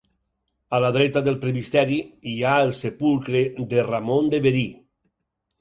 A la dreta del presbiteri hi ha el sepulcre de Ramon de Verí.